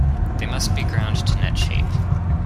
They must be ground to net shape.